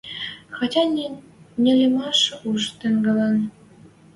Хотя нелемӓш уж тӹнгӓлӹн.